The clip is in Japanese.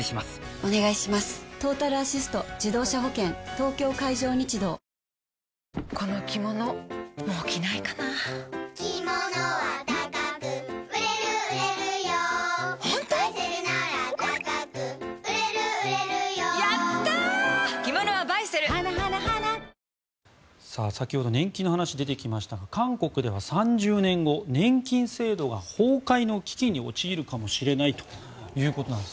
東京海上日動先ほど年金の話出てきましたが韓国では３０年後年金制度が崩壊の危機に陥るかもしれないということなんです。